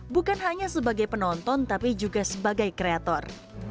bukan hanya sebagai penonton tapi juga sebagai kreator